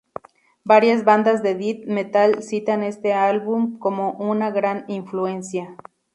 Varias bandas de death metal citan este álbum como una gran influencia.